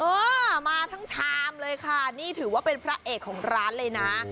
เออมาทั้งชามเลยค่ะนี่ถือว่าเป็นพระเอกของร้านเลยนะ